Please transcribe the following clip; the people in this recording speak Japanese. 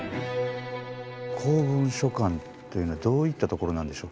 公文書館っていうのはどういったところなんでしょうか？